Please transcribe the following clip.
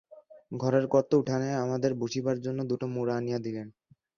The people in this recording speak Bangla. ঘরের কর্তা উঠানে আমাদের বসিবার জন্য দুটি মোড়া আনিয়া দিলেন।